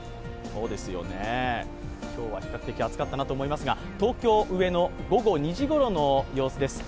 今日は比較的暑かったなと思いますが、東京・上野午後２時ごろの様子です。